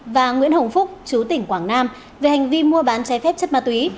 và nguyễn hồng phúc chú tỉnh quảng nam về hành vi mua bán trái phép chất ma túy